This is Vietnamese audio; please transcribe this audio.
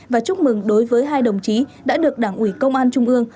và chúc mừng đối với hai đồng chí đã được đảng ủy công an trung ương